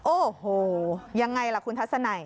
โอ้โหยังไงล่ะคุณทัศนัย